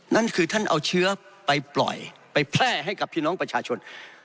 นั่นคือท่านเอาเชื้อไปปล่อยไปแพร่ให้กับพี่น้องประชาชน